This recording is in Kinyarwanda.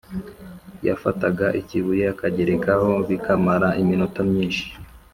yafataga ikibuye akagerekaho bikamara iminota myinshi